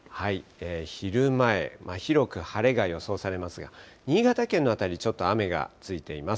昼前、広く晴れが予想されますが、新潟県の辺り、ちょっと雨がついています。